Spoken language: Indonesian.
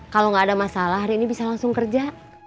kalau nggak ada masalah hari ini bisa langsung kerja